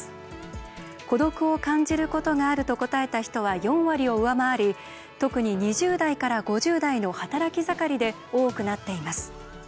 孤独を感じることがあると答えた人は４割を上回り特に２０代から５０代の働き盛りで多くなっています。